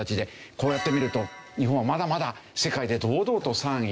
こうやって見ると日本はまだまだ世界で堂々と３位なんですよ。